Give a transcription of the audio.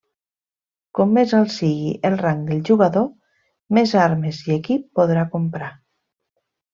Com més alt sigui el rang del jugador, més armes i equip podrà comprar.